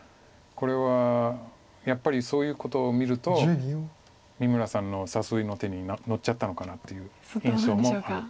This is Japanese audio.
これはやっぱりそういうことを見ると三村さんの誘いの手に乗っちゃったのかなっていう印象もある。